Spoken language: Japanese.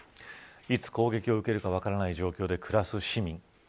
いつ攻撃を受けるか分からない状況で暮らす市民。